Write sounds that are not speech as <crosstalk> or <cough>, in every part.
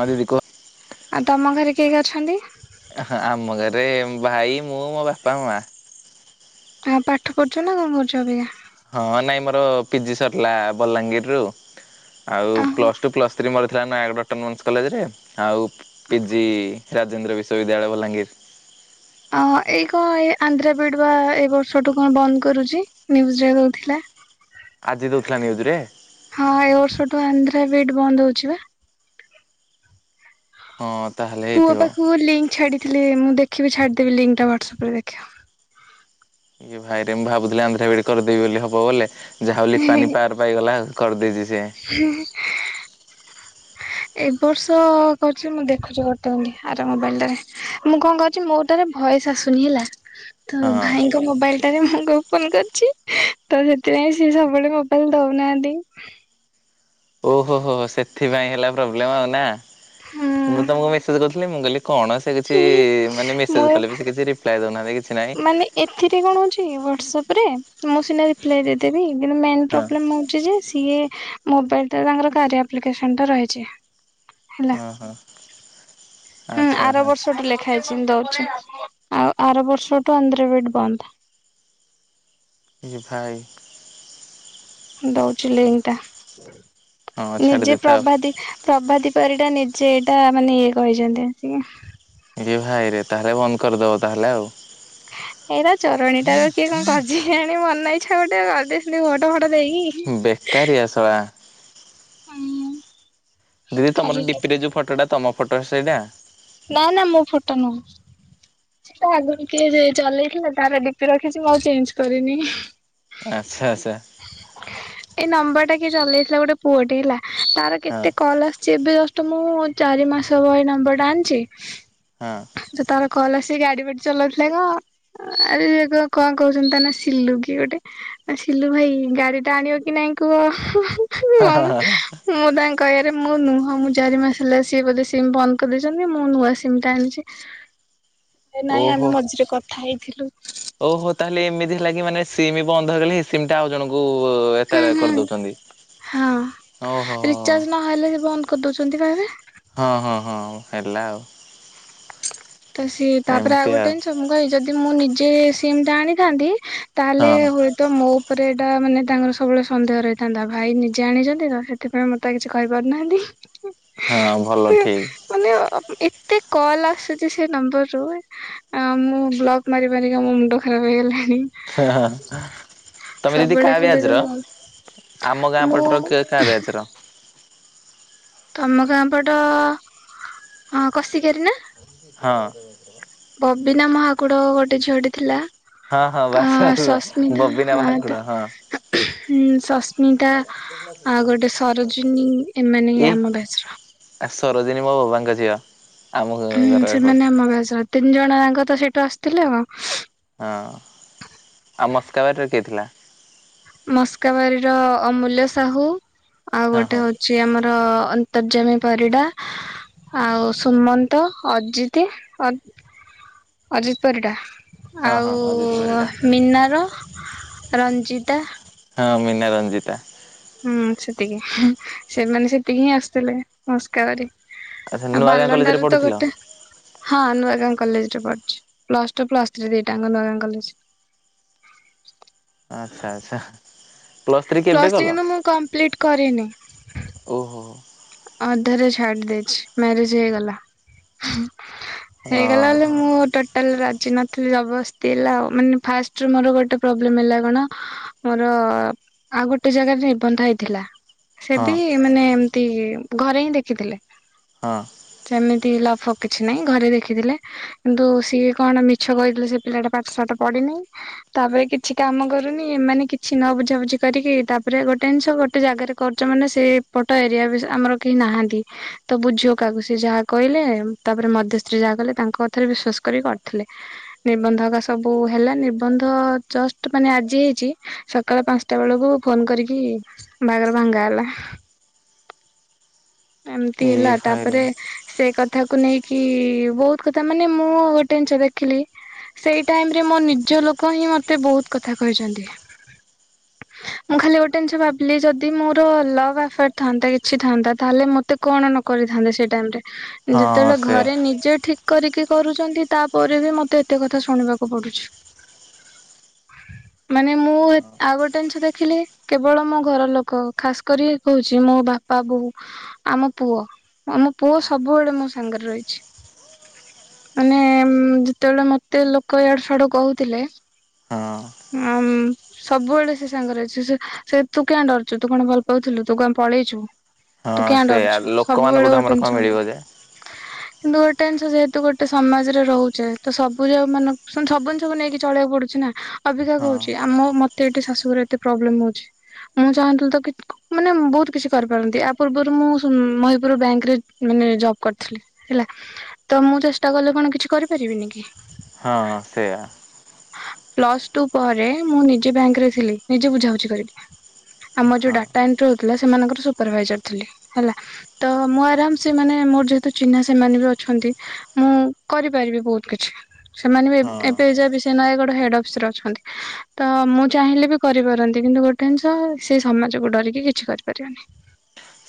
ହାଲି ରିକର୍ ଆଉ ତମ ଘରେ କିଏ କିଏ ଅଛନ୍ତି? ହ ଆମ ଘରେ ଭାଇ ମୁଁ ମୋ ବାପା ମା। ତମେ ପାଠ ପଢୁଛ ନା କଣ କରୁଛ ଅବିକା? ହଁ ନାଇଁ ମୋର ପିଜି ସରିଲା ବଲାଙ୍ଗୀରରୁୁ। ଆଉ ପ୍ଲସ୍ ଟୁ ପ୍ଲସ୍ ଥ୍ରୀ ମୋର ଥିଲା ନୟାଗଡ଼ ଅଟୋନମେନ୍ସ କଲେଜରେ ଆଉ ପି ଜି ରାଜେନ୍ଦ୍ର ବିଶ୍ୱବିଦ୍ୟାଳୟ ବଲାଙ୍ଗୀର। ଅ ଏଇ କଣ ଏଇ ଆନ୍ଧ୍ର ବିିଡ ବା ଏଇ ବର୍ଷଠୁ କଣ ବନ୍ଦ କରୁଛି ନିଉଜରେ ଦଉଥିଲା। ହ ଆଜି ଦଉଥିଲା ନ୍ୟୁଜରେ? ହଁ ଏ ବର୍ଷ ଠୁ ଆନ୍ଧ୍ରା ବିଡ୍ ବନ୍ଦ ହଉଛି ବା? ହଁ ତାହେଲେ ପୁଅ ହେଇଥିବ। ପାଖକୁ ଲିଙ୍କ ଛାଡି ଥିଲି ମୁଁ ଦେଖିବି ଛାଡି ଦେବି ଲିଙ୍କଟା ହ୍ୱାଟ୍ସଆପରେ ଦେଖିବ। ଇଏ ଭାଇରେ ମୁଁ ଭାବୁଥିଲି ଆନ୍ଧ୍ର ବିଡି କରିଦେବି ବୋଲି ହବ ବୋଲେ ଯାହା ହଉ ଲିପା ନିପାର ପାଇଗଲା କରିଦେଇଛି ସେ ହୁଁ ହୁଁ। ଏ ବର୍ଷ କରୁଛି ମୁଁ ଦେଖୁଛି ଗୋଟେ ମିନିଟ୍ ଆର ମୋବାଇଲଟାରେ। ମୁଁ କଣ କରୁଛି ମୋଟାରେ ଭଏସ ଆସୁନି ହେଲା ତ ହଁ ଭାଇ ମୋବାଇଲଟାରେ ମୁଁ ଓପନ କରିଛି ତ ସେଥିପାଇ ସିଏ ସବୁବେଳେ ମୋବାଇଲ ଦଉନାହାନ୍ତି। ଓହୋ ହୋ ହୋ ସେଥିପାଇଁ ହେଲା ପ୍ରୋବ୍ଲେମ ଆଉ ନା ମୁଁ ତମକୁ ମେସେଜ କରୁଥି ମୁଁ କହିଲି କଣ ସେ କିଛି ହୁଁ ମାନେ ମୁଁ ମେସେଜ କଲେ ବି ସେ କିଛି ରିପ୍ଲାଏ ଦଉନାହାନ୍ତି କିଛି ନାହିଁ। ମାନେ ଏଥିରେ କଣ ହଉଛି ହ୍ଵାଟସପରେ ମୁଁ ସିନା ରିପ୍ ରିପ୍ଲାଏ ଦେଇଦେବି କିନ୍ତୁ ମେନ୍ ହଁ ପ୍ରୋବ୍ଲେମ ହଉଛି ଯେ ସିଏ ମୋବାଇଲଟା ତାଙ୍କର କାର୍ୟା ଆପ୍ଲିକେସନଟା ରହିଛି। ହେଲା। ହଁ ହଁ। ହୁଁ ଆଚ୍ଛା ଆର ଆଚ୍ଛା ବର୍ଷଠୁ ଲେଖା ହେଇଛି ଦଉଛି ଆଉ ଆର ବର୍ଷଠୁ ଆନ୍ଧ୍ରବିଏଡ ବନ୍ଦ। ଏ ଭାଇ ଦଉଛି ଲିଙ୍କ୍ ଟା ହଁ ଛାଡି ନିଜେ ଦେଇଥାଉ। ପ୍ରଭାତି ପ୍ରଭାତିି ପରିଡ଼ା ନିଜେ ଏଇଟା ମାନେ ଇଏ କହିଛନ୍ତି ଆଜ୍ଞା। ଏ ଭାଇରେ ତାହେଲେ ବନ୍ଦ କରିଦେବ ତାହେଲେ ଆଉ ଏଇରା ଚୋରୋଣୀଟା ବା କିଏ କଣ କରିକି ଆଣି ମନଇଛା ଗୋଟେ କରିଦେଇ ସେ ଫଟୋ ଫଟୋ ଦେଇକି ହେ ଶଳା ହଁ ମୁଁ। ଦିଦି ତମର ଡିପିରେ ଯୋଉ ଫଟୋଟା ତମ ଫଟୋ ସେଇଟା? ନା ନା ମୋ ଫଟୋ ନୁହଁ। ସେଟା ଆଗରୁ କିଏ ଦେଇଥିଲା। ତାର ଡିପି ରଖିଚି ମୁଁ ଆଉ ଚେଞ୍ଜ କରିନି। ଆଚ୍ଛା ଆଚ୍ଛା। ଏଇ ନମ୍ବର ଟା କିଏ ଚଲେଇଥିଲା ଗୋଟେ ପୁଅଟେ ହେଲା। ତାର ହଁ। କେତେ କଲ୍ ଆସ ଚି। ଏବେ ଜଷ୍ଟ୍ ମୁଁ ଚାରି ମାସ ହେବ ଏ ନମ୍ବରଟା ଆଣିଚି। ହଁ। ଯେତେବେଳେ କହଲା ସେ ଗାଡି ବାଡି ଚଲଉଥିଲେ କନ୍? ଆରେ ଆରେ ରେ ତମେ କଣ କହୁଚନ୍ତି ତା ନା ସିଲୁ କି ଗୋଟେ ଆ ସିଲୁ ଭାଇ ଗାଡି ଟା ଆଣିବ କି ନାଇଁ କୁହ। ହଁ ହଁ ହ ହଁ ମୁଁ ତାଙ୍କ କରିବାରେ ମୁଁ ନୁହଁ ମୁଁ ଚାରି ମାସ ହେଲା ସିଏ ବୋଧେ ସିମ୍ ବନ୍ଦ କରିଦେଇଚନ୍ତି ମୁଁ ନୂଆ ସିମ୍ ଟା ଆଣିଚି। ଏ ନାଇଁ ଓହୋ। ଆମେ ମଝିରେ କଥା ହେଇଥିଲୁ। ଓହୋ ତାହେଲେ ଏମିତି ହେଲା କି ମାନେ ସିମ ବନ୍ଦ ହେଇଗଲେ ସିମ୍ ଟା ଆଉ ଜଣଙ୍କୁ ହୁଁ ଏତାରେ ହୁଁ କରିଦଉଚନ୍ତି ଓହୋ ହୋ। ହଁ ହେଲେ ସେ ବନ୍ଦ କରିଦଉଚନ୍ତି ବା ଏଇଁ ରା। ହଁ ହଁ ହଁ ହେଲା ଆଉ। ତ ସିଏ ତାପରେ ଆଉ ଗୋଟେ ଏ ଯଦି ମୁଁ ନିଜେ ସିମ୍ ଟା ଆଣିଥାନ୍ତି ହଁ ତାହେଲେ ହୁଏତ ମୋ ଉପରେ ଏଇଟା ମାନେ ତାଙ୍କର ସବୁବେଳେ ସନ୍ଦେହ ରହିଥାନ୍ତା। ଭାଇ ନିଜେ ଆଣିଛନ୍ତି ତ ସେ ସେଥିପାଇଁ ମତେ ଆଉ କିଛି କହିପାରୁନାହାନ୍ତି। ହଁ ଭଲ ଠିକ୍। ମାନେ ଏତେ କଲ ଆସୁ ଚି ସେ ନମ୍ବରରୁୁ ଅ ମୁଁ ବ୍ଲକ୍ ମାରିମାରିକା ମୋ ମୁଣ୍ଡ ଖରାପ ହେଇଗଲାଣି। ହ ହ ତମେ ଦିଦି ସବୁବେଳେ କା ଖାଲି ବ୍ୟାଚ୍ ର? ଆମ ଗାଁ ମୁଁ ପଟର କ କା ବ୍ୟାଚ୍ ର? ତମ ଗାଁ ପଟ ହ କସିକିଆରୀ ନା? ହଁ। ବବିନା ମହାକୁଡ ଗୋଟେ ଝିଅଟେ ଥିଲା। ହଁ ହଁ ଆ ବାସ ବାସ ବା ବବିନା ମହାକୁଡ ହଁ। ହୁଁ ସସ୍ମିତା ଆଉ ଗୋଟେ ସରୋଜିନୀ ଏମାନେ ଏ ଆମ ବ୍ୟାଚ୍ ର। ଆ ସରୋଜିନୀ ମୋ ବୋବାଙ୍କ ଝିଅ। ଆମ ହୁଁ ଘର ଏପଟ ସେମାନେ ଆମ ବ୍ୟାଚ୍ ର। ତିନି ଜଣଆଙ୍କ ତ ସେଇଠୁ ଆସିଥିଲେ ଆଉ। ହଁ ଆମ ସ୍କାବାରର କିଏ ଥିଲା। ମସ୍କାବାରି ର ଅମୂଲ୍ୟ ସାହୁ ଆଉ ହଁ ଗୋଟେ ହଁ ହଉ ଚି ଆମର ଅନ୍ତର୍ଜାମ ପରିଡା। ଆଉ ସୁମନ୍ତ ଅଜିତି ଅ ଅଜିତ୍ ପରିଡ଼ା। ହଁ ହଁ ଅଜିତ ଆଉ ପରିଡ଼ା ମିନାର ରଞ୍ଜିତା। ହଁ ମିନା ରଞ୍ଜିତା। ହୁଁ ସେତିକି। ସେମାନେ ସେତିକି ହିଁ ଆସିଥିଲେ ମସ୍କାବାରି। ଆଚ୍ଛା ଆ ନୂଆ ଗାଁ କଲେଜରେ ବାଲଣ୍ଡାର ତ ପଢୁଥିଲ? ଗୋଟେ। ହଁ ନୂଆ ଗାଁ କଲେଜ ରେ ପଢୁଚି। ପ୍ଲସ ଟୁ ପ୍ଲସ ଥ୍ରୀ ଦିଟାଙ୍କ ନୂଆ ଗାଁ କଲେଜ। ଆଚ୍ଛା ଆଚ୍ଛା। ପ୍ଲସ୍ କେବେ ପ୍ଲସ୍ କଲ? ଥ୍ରୀ କିନ୍ତୁ ମୁଁ କମ୍ପ୍ଲିଟ୍ କରିନି। ଓହୋ। ଅଧାରେ ଛାଡି ଦେଇଚି ମ୍ୟାରେଜ ହେଇଗଲା। ହଁ ହଁ ହେଇଗଲା ବୋଲି ମୁଁ ଟୋ ଟାଲ ରାଜି ନଥିଲି ଜବସ୍ତି ହେଲା ଆଉ। ମାନେ ଫାଷ୍ଟରେ ମୋର ଗୋଟେ ପ୍ରୋବ୍ଲେମ ହେଲା କଣ ମୋର ଆଉ ଗୋଟେ ଜାଗାରେ ନିର୍ବନ୍ଧ ହେଇଥିଲା। ସେ ହଁ ବି ମାନେ ଏମତି ଘରେ ହିଁ ଦେଖିଥିଲେ। ହଁ। ସେମିତି ଲଭ ଫବ କିଛି ନାହିଁ ଘରେ ଦେଖିଥିଲେ। କିନ୍ତୁ ସିଏ କଣ ମିଛ କହିଥିଲେ, ସେ ପିଲାଟା ପାଠ ସାଠ ପଡିିନାଇଁ। ତାପରେ କିଛି କାମ କରୁନି। ଏମାନେ କିଛି ନ ବୁଝାବୁଝି କରିକି ତାପରେ ଗୋଟେ ଜିନ୍ସ ଗୋଟେ ଜାଗାରେ କର୍ଜ ମାନେ ସେ ପ ତ ଏରିଆ ବିସ ଆମର କେହି ନାହାନ୍ତି ତ ବୁଝିବ କାକୁ ସିଏ ଯାହା କହିଲେ ତାପରେ ମଧ୍ୟସ୍ତ୍ରୀ ଯାହା କଲେ ତାଙ୍କ ଏଥିରେ ବିଶ୍ଵାସ କରି କରିଥିଲେ। ନିର୍ବନ୍ଧକ ସବୁ ହେଲା ନିର୍ବନ୍ଧ ଜଷ୍ଟ ମାନେ ଆଜି ହେଇଛି ସ ସକାଳ ପାଞ୍ଚଟା ବେଳକୁ ଫୋନ କରିକି ବାହାଘର ଭାଙ୍ଗା ହେଲା। ଏମ୍ତି ଏ ହେଲା ଭାଇରେ ତାପରେ। ସେଇ କଥାକୁ ନେଇକି ବହୁତ କଥା ମାନେ ମୁଁ ଗୋଟେ ଜିନ୍ଷ ଦେଖିଲି। ସେଇ ଟାଇମ ରେ ମୋ ନିଜ ଲୋକ ହିଁ ମତେ ବହୁତ କଥା କହିଛନ୍ତି। ମୁଁ ଖାଲି ଗୋଟେ ଜିନ୍ଷ ଭାବିଲି ଯଦି ମୋର ଲଭ ଆଫେୟାର ଥାନ୍ତା କିଛି ଥାନ୍ତା ତାହେଲେ ମତେ କଣ ନ କରିଥାନ୍ତେ ସେ ଟାଇମ ରେ ହଁ ଯେତେବେଳେ ସେୟା ଘରେ ନିଜେ ଠିକ୍ କରିକି କରୁଛନ୍ତି ତା ପରେ ବି ମତେ ଏତେ କଥା ଶୁଣିବାକୁ ପଡୁଛି। ମାନେ ମୁଁ ଆଉ ଗୋଟେ ଜିନ୍ଷ ଦେଖିଲି କେବଳ ମୋ ଘର ଲୋକ ଖାସ କରି କହୁଛି ମୋ ବାପା ବୋଉ। ଆମ ପୁଅ ଆମ ପୁଅ ସବୁବେଳେ ମୋ ସାଙ୍ଗରେ ରହିଛି। ମାନେ ଯେତେବେଳେ ମତେ ଲୋକ ୟାଡୁ ସାଡୁ କହୁଥିଲେ। ହଁ ଉମଁ ସବୁବେଳେ ସେ ସାଙ୍ଗରେ ଅଛି ସେ ସେ ତୁ କିଆଁ ଡରଛୁ ତୁ କଣ ଭଲ ପାଉଥିଲୁ ତୁ କଣ ପଳେଇଛୁ। ତୁ ହଁ କିଆଁ ସେୟା ଡରୁଛୁ ସବୁବେଳେ ଲୋକମାନଙ୍କଠୁ ଆମର କଣ ଗୋଟେନସନ୍। ମିଳିବ ଯେ କିନ୍ତୁ ଗୋଟେ ଜିନ୍ଷ ଯେହେତୁ ଗୋଟେ ସମାଜ ରେ ରହୁଛେ ତ ସବୁ ଯଉ ମାନଙ୍କ ସବୁ ଜିନ୍ଷ କୁ ନେଇକି ଚଳେଇଆକୁ ପଡୁଛି। ଚିନା ଅବିକା ହଁ କହୁଛି ଆମୋ ମ ଏଇଟି ଶାଶୁଘର ଏତେ ପ୍ରୋବ୍ଲେମ ହଉଛି। ମୁଁ ଚାହିଥିଲି ତ କି ମାନେ ବହୁତ କିଛି କରିପାରନ୍ତି। ଆ ପୂର୍ବରୁ ମୁଁ ମହିପୁରୁ ବ୍ୟାଙ୍କ ରେ ମାନେ ଜବ୍ କରିଥିଲି ହେଲା। ତ ମୁଁ ଚେଷ୍ଟା କଲେ କଣ କିଛି କରିପାରିବିିନି କି। ହଁ ସେଇୟା। ପ୍ଲସ ଟୁ ପରେ ମୁଁ ନିଜେ ବ୍ୟାଙ୍କରେ ଥିଲି ନିଜେ ବୁଝାବୁଝି କରିକି। ଆମର ଯୋଉ ହଁ ଡାଟା ଏଣ୍ଟ୍ରି ହଉଥିଲା ସେମାନଙ୍କର ସୁପରଭାଇଜର ଥିଲି ହେଲା। ତ ମୁଁ ଆରାମ ସେ ମାନେ ମୋର ଯେହେତୁ ଚିହ୍ନା ସେମାନେ ବି ଅଛନ୍ତି। ମୁଁ କରିପାରିବି ବହୁତ କିଛି ସେମାନେ ବି ହଁ ଏବେ ଯା ବି ସେ ନୟାଗଡ଼ ହେଡ୍ ଅଫିସ ରେ ଅଛନ୍ତି। ତ ମୁଁ ଚାହିଁଲେ ବି କରିପାରନ୍ତି କିନ୍ତୁ ଗୋଟେ ଜିନିଷ ସେ ସମାଜକୁ ଡରିକି କିଛି କରିପାରିବନି।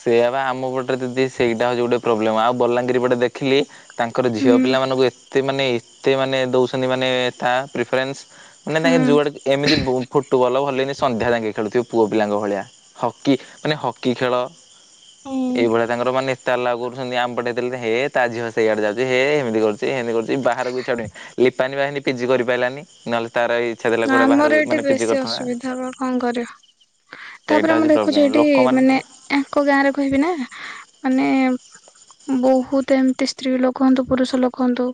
ସେଇଆ ବା ଆମ ପଟରେ ଯଦି ସେଇଟା ହଉଛି। ଗୋଟେ ପ୍ରୋବ୍ଲେମ ଆଉ ବଲାଙ୍ଗୀର ପଟେ ଦେଖିଲି ତାଙ୍କର ଝିଅ ହୁଁ ପିଲାମାନଙ୍କୁ ଏତେ ମାନେ ଏତେ ମାନେ ଦଉଛନ୍ତି ମାନେ ତା ପ୍ରିଫରେନ୍ସ ମାନେ ହୁଁ ତାଙ୍କେ ଯୁଆଡେ ଏମିତି ଫୁଟୁବଲ ଭଲନି ସନ୍ଧ୍ୟା ଯାଙ୍ଗେ ଖେଳୁଥିବେ। ପୁଅ ପିଲାଙ୍କ ଭଳିଆ ହକି ମାନେ ହକି ଖେଳ ହୁଁ ଏଇଭଳିଆ ତାଙ୍କର ମାନେ ତାଲା କରୁଛନ୍ତି ଆମପଟେ ଦେଇଥିଲେ ହେ ତା ଝିଅ ସେଇଆଡ଼େ ଯାଉଛି ହେ ଏମିତି କରୁଛି ଏମିତି କରୁଛି ବାହାରକୁ ଛାଡ଼ନି। ଲିପାନୀ ବାହିନୀ ପିଜି କରି ପାରଲାନି। ଆମର ଏଇଠି ପିଜି ବେଶୀ କରିଥାନ୍ତା ଅସୁବିଧା ବା କଣ କରିବା? ସେଇଟା ତାପରେ ହଉଛି ମୁଁ ଦେଖୁଛି ପ୍ରୋବ୍ଲେମ ଏଠି ଲୋକମାନେ ମାନେ ତ ଙ୍କ ଗାଁ ରେ କହିବି ନା ମାନେ ବହୁତ ଏମିତି ସ୍ତ୍ରୀ ଲୋକ ହନ୍ତୁ ପୁରୁଷ ଲୋକ ହୁନ୍ତୁ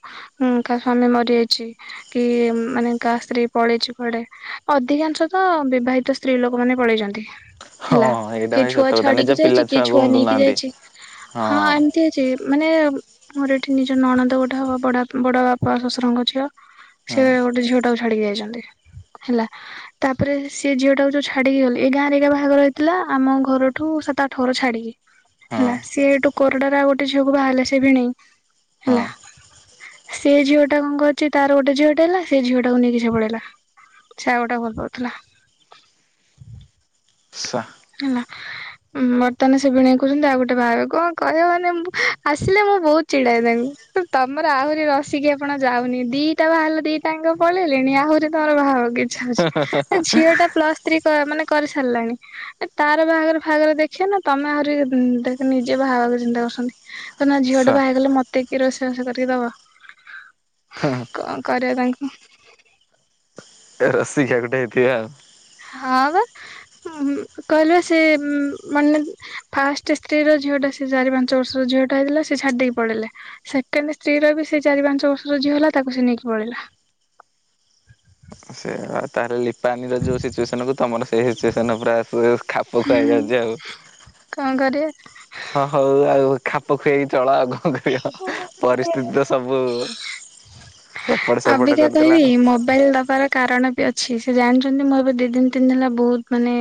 କା ସ୍ଵାମୀ ମରିଯାଇଛି। କି ମାନେ ଗା ସ୍ତ୍ରୀ ପଳେଇଚୁ କୁଆଡେ ଅଧିକାଂଶ ତ ବିବାହିତ ସ୍ତ୍ରୀ ଲୋକମାନେ ପଳେଇଛନ୍ତି। ହେଲା ହଁ ଏଇଟା କିଏ ଭାଇ ଛୁଆ ସତ କଥା ନିଜ ଛାଡିକି ପିଲା ଯାଇଛି କିଏ ଛୁଆଙ୍କୁ ଛୁଆ ନେଇକି ଉଣ୍ଡୁନାହାନ୍ତି ଯାଇଛି ହଁ ଏମିତି। ସେ ମାନେ ମୋର ଏଠି ନିଜ ନଣଦ ଗୋଟେ ହବ ବଡ ବଡ ବାପା ଶଶୁରଙ୍କ ଝିଅ ସେ ହଁ ଗୋଟେ ଝିଅ ଟାକୁ ଛାଡିକି ଯାଇଛନ୍ତି ହେଲା। ତାପରେ ସେିଏ ଝିଅ ଟାକୁ ଯୋଉ ଛାଡିକି ଗଲେ ଏଇ ଗାଁରେ ଏକା ବାହାଘର ହେଇଥିଲା ଆମ ଘରଠୁ ସାତ ଆଠ ଘର ଛାଡିକି। ହଁ ହେଲା ସିଏ ଏଇଠୁ କୋରଡ ର ଆଉ ଗୋଟେ ଝିଅକୁ ବାହାରିଲା ସେ ବି ନେଇ ହଁ ହେଲା। ସେ ଝିଅଟା କଣଛି ତାର ଗୋଟେଝଅଟା ହେଲା ସେ ଝିଅଟାକୁ ନେଇକି ପଳେଇଲା। ସେଆ ଗୋଟା ଭଲ ପାଉଥିଲା। ସା ହେଲା। ବର୍ତ୍ତମାନ ସେ ଭିଣେଇ କହୁଛନ୍ତି ଆଉ ଗୋଟେ ଭାଇ କଣ କହିବ ମାନେ ଆସିଲେ ମୁଁ ବହୁତ ଚିଡାଦଙ୍କୁ ତମର ଆହୁରି ରସିକିଆ ପଣ ଯାଉନି ଦିଟା ବାଲ ଦିଟାଙ୍କ ପଳେଇଲେଣି ଆଉଛି ତୋର ବାହାହବାକୁ ଇ ଏ ଝିଅଟା ପ୍ଲସ୍ ଥ୍ରୀ ମାନେ କରିସାରିଲାଣି। ଏ ତାର ବାହାଘର ଫାହାଘର ଦେଖିବ ନା ତମେ ଆହୁରି ଦେ ନିଜେ ବାହାଘରେ ଚିନ୍ତା କରୁଛନ୍ତି? କଣ ନା ସା ଝିଅଟା ବାହାଗଲେ ମତେ କିଏ ରୋଷେଇବାସ କରିକି ଦବ? ହଁ କଣ କରିବା ପାଇଁ କହ? ରସିକିଆ ଗୋଟେ ହେଇଥିବ ଆଉ ହଁ ବା। କହିଲେ ସେ ମାନେ ଫାଷ୍ଟ ସ୍ତ୍ରୀର ଝିଅଟା ସେ ସେ ଚାରି ପାଞ୍ଚ ବର୍ଷ ଝିଅଟା ହେଇଥିଲା ସେ ଛାଡ଼ିଦେଇକି ପଳେଇଲେ? ସେକେଣ୍ଡ ସ୍ତ୍ରୀ ର ବି ସେ ଚାରି ପାଞ୍ଚ ବର୍ଷର ଝିଅ ହେଲା ତାକୁ ସେ ନେଇକି ପଳେଇଲା। ସେ ତାହେଲେ <inaudible> ପାଣିର ଯୋଉ ସିଚୁଏସନକୁ ତମର ସେଇ ସିଚୁସନ ପୁରା ଆ ଖାପଖୁଆଇ ହୁଁ ହେଇଯାଉଛି ଆଉ କଣ କରିବି? ହଁ ହଉ ଆଉ ଖାପ ଖୁଆଇକି ଚଳ ଆଉ ପରିସ୍ଥିତି ତ ସବୁ ଏପଟ ସେପଟ ଅବିକା କରିଦେଲା କହିବି ମୋବାଇଲ ଦବାର କାରଣ ଅଛି ସେ ଜାଣିଛନ୍ତି ମୁଁ ଏବେ ଦି ଦିନ ତିନି ଦିନ ହେଲା ବହୁତ ମାନେ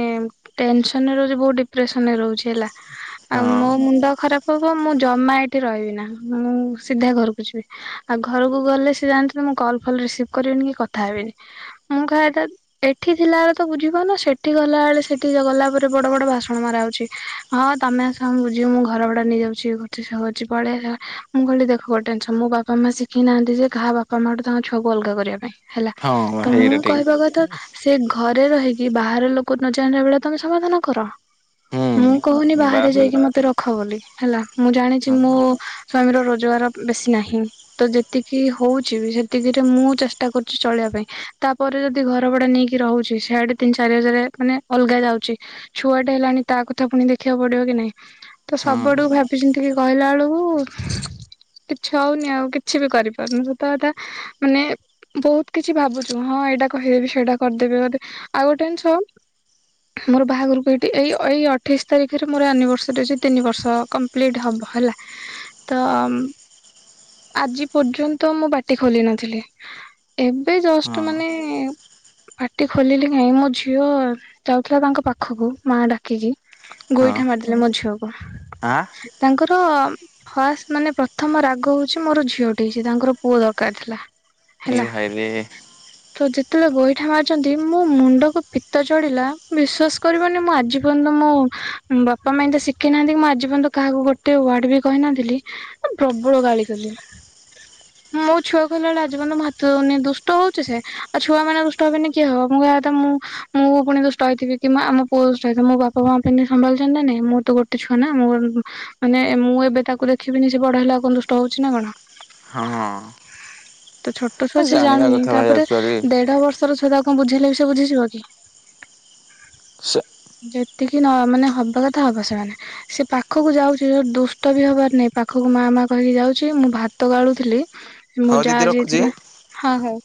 ଟେନସନରେ ରହୁଛି ବହୁତ ଡିପ୍ରେସନରେ ରହୁଛି ହେଲା। ଆଉ ମୋ ହଁ ମୁଣ୍ଡ ଖରାପ ହବ ମୁଁ ଜମା ଏଇଠି ରହିବିନି। ମୁଁ ସିଧା ଘରକୁ ଯିବି ଆଉ ଘରକୁ ଗଲେ ସ ଜାଣି ମୁଁ କଲ୍ ଫଲ ରିସିଭ୍ କରିବିନି କି କ ଥାହେବିନି ମୁଁ କହିବାକଥା। ଏଠି ଥିଲା ବଳେ ତ ବୁଝିପାରୁନ ସେଠି ଗଲାବେେଳେ ସେଠି ଗଲା ପରେ ବଡ ବଡ ଭାଷଣ ମରା ହଉଛି। ହଁ ତମେ ସଙ୍ଗୁ ବୁଝିବ ମୁଁ ଘର ଭଡା ନେଇଯାଉଛି ଇଏ ହଉଛି ସ କର ଅଛି ପଳେଇ ମୁଁ କହିଲି ଦେଖ ଟେନସନ ମୋ ବାପା ମା ଶିଖେଇ ନାହାନ୍ତି ଯେ କାହା ବାପା ମା ଠୁ ତାଙ୍କ ଛୁଆକୁ ଅଲଗା କରିବା ପାଇଁ। ହେଲା ହଁ ତ ମୁଁ ହେଇଟା ଠିକ କହିବା କଥା ସେ ଘରେ ରହିକି ବାହାର ଲୋକ ନ ଜାଣିଲା ଭଳିଆ ତମେ ସମାଧାନ କର। ମୁଁ କହୁନି ହୁଁ ବାହାରେ ବାସ ଯାଇକି ମତେ ରଖ ବୋଲି ହେଲା ମୁଁ ଜାଣିଛି ହଁ ମୁଁ ସ୍ଵାମୀର ରୋଜଗାର ବେଶୀ ନାହିଁ। ତ ଯେତିକି ହଉଛି ବି ସେତିକିରେ ମୁଁ ଚେଷ୍ଟା କରୁଛି ଚଳିବା ପାଇଁ ତାପରେ ଯଦି ଘର ଭଡା ନେଇକି ରହୁଛି ସେଆଡେ ତିନି ଚାରି ହଜାର ମାନେ ଅଲଗା ଯାଉଛି। ଛୁଆଟେ ହେଲାଣି ତା କଥା ପୁଣି ଦେଖିବାକୁ ପଡିବ କି ନାଇଁ ତ ହଁ ସବୁଆଡୁ ଭାବିି କି କହିଲା ବେଳକୁ ହ କିଛି ହଉନି ଆଉ କିଛି ବି କରିପାରୁନୁ ସତ କଥା ମାନେ ବହୁତ କିଛି ଭାବୁଛୁ ହଁ ଏଇଟା କହିଦେବି ସେଇଟା କରିଦେବି ଗୋଟେ ଆଉ ଗୋଟେ ଜିନିଷ ମୋର ବାହାଘରକୁ ଏଇଠି ଏଇ ଏଇ ଅଠେଇଶି ତାରିଖରେ ମୋର ଆନିଭର୍ସରୀ ତିନି ବର୍ଷ କମ୍ପ୍ଲିଟ୍ ହବ ହେଲା। ତ ଆଜି ପର୍ଯ୍ୟନ୍ତ ମୁଁ ପାଟି ଖୋଲି ନଥିଲି। ଏବେ ହଁ ଜଷ୍ଟ ମାନେ ପାଟି ଖୋଲିଲି କାଇଁ ମୋ ଝିଅ ଯାଉଥିଲା ତାଙ୍କ ପାଖକୁ ମା ଡାକିକି ଗୋଇଠା ମାରିଦେଲେ ମୋ ଝିଅକୁ। ହଁ। ତାଙ୍କର ଫାଷ୍ଟ ମାନେ ପ୍ରଥମ ରାଗ ହଉଛି ମୋର ଝିଅଟି ହେଇଛି ତାଙ୍କର ପୁଅ ଦରକାର ଥିଲା। ଏ ହେଲା ଭାଇରେ ତ ଯେତେବେଳେ ଗୋଇଠା ମାରିଛନ୍ତି ମୋ ମୁଣ୍ଡକୁ ପିତ୍ ଚଢିଲା ବିଶ୍ୱାସ କରିବନି ମୁଁ ଆଜି ପର୍ଯ୍ୟନ୍ତ ମୋ ବାପା ମା ତ ଶିଖି ନାହାନ୍ତି ମୁଁ ଆଜି ପର୍ଯ୍ୟନ୍ତ କାହାକୁ ଗୋଟେ ୱାର୍ଡ ବି କହିନଥିଲି ପ୍ରବଳ ଗାଳି କଲି। ମୁ ମୋ ଛୁଆ କହିଲ ବେଳେ ଆଜି ପର୍ଯ୍ୟନ୍ତ ହାତ ଦଉନି ଦୁଷ୍ଟ ହଉଛି ସେ ଆଉ ଛୁଆ ମାନେ ଦୁଷ୍ଟ ହବେନି କିଏ ହବ ମୁଁ କହ ମୁଁ ମୁଁ ପୁଣି ଦୁଷ୍ଟ ହେଇଥିବି, କି ଆମ ପୁଅ ଦୁଷ୍ଟ ହେଇଥିବ ମୋ ବାପା ମା କେମିତି ସମ୍ଭାଳିଚନ୍ତି ନା ନାଇଁ ମୁଁ ତ ଗୋଟେ ଛୁଆ ନା ମୋର ମାନେ ମୁଁ ଏ ବେ ତାକୁ ଦେଖିବିନି। ସେ ବଡ ହେଲେ ଆଉ କଣ ଦୁଷ୍ଟ ହଉଚି ନା କଣ? ହଁ। ତ ଛୋଟ ଛୁଆ ସେ ଜାଣିବା ଜାଣୁନି କଥା ଭାଇ ତାପରେ ଆକ୍ଚୁଆଲି ଦେଢ ବର୍ଷର ଛୁଆଟା କଣ ବୁଝେଇଲେ ବି ସେ ବୁଝିଯିବ କି? ସେ ଯେତିକି ନ ମାନେ ହବା କଥା ହବ ସେମାନେ ସେ ପାଖକୁ ଯାଉଚି ଯ ଦୁସ୍ କଷ୍ଟ ବି ହବାର ନାଇଁ ପାଖକୁ ମା ମା କହିକି ଯାଉଚି ମୁଁ ଭାତ ଗାଳୁଥିଲି। ମୁଁ ହଉ ଦିଦି ଯାହା ରଖୁଛି। ଯାଇଥିଲା ହଁ ହଉ